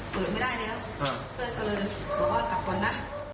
เพื่อให้เริ่มออกมาก่อนนะ